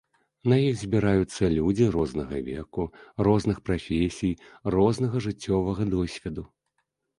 На іх збіраюцца людзі рознага веку, розных прафесій, рознага жыццёвага досведу.